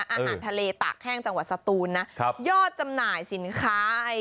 อาหารทะเลตากแห้งจังหวัดสตูนนะครับยอดจำหน่ายสินค้า